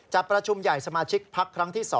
จัดประชุมใหญ่สมาชิกภักดิ์ครั้งที่๒